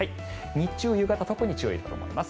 日中、夕方特に注意だと思います。